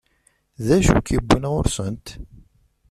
D acu i k-iwwin ɣur-sent?